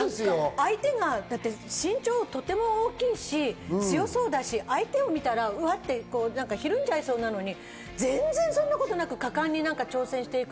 相手は身長がとても高いし、強そうだし、相手を見たらひるんじゃいそうだけど、全然そんなことなく果敢に挑戦していく。